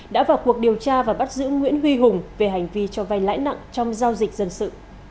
đã vào cuộc điều tra và bắt giữ nguyễn huy hùng về hành vi cho vay lãi nặng trong giao dịch dân sự